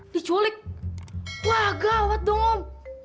diculik wah gawat dong om